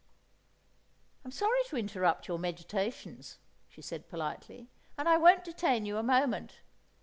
"I'm sorry to interrupt your meditations," she said politely, "and I won't detain you a moment.